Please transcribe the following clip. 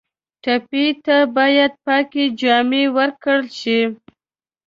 ټپي ته باید پاکې جامې ورکړل شي.